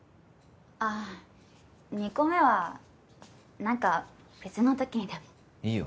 あっ２個目は何か別のときにでもいいよ